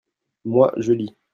moi, je lis.